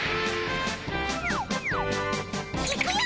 いくよ！